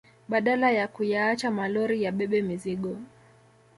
Badala ya kuyaacha malori yabebe mizigo